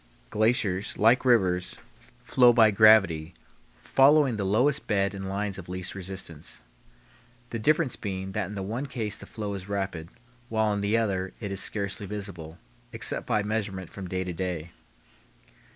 Glaciers, like rivers, flow by gravity, following the lowest bed and lines of least resistance; the difference being that in the one case the flow is rapid, while in the other it is scarcely visible, except by measurement from day to day.